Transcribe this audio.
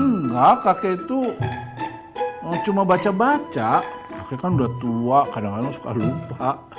enggak kakek itu cuma baca baca kakek kan udah tua kadang kadang suka lupa